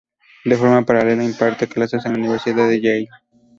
De forma paralela, imparte clases en la Universidad de Yale.